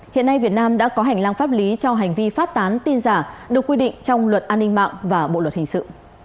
hiện nay việt nam đã có hành lang pháp lý cho hành vi phát tán tin giả được quy định trong luật an ninh mạng và bộ luật hình sự